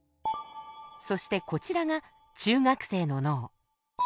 そしてこちらが中学生の脳。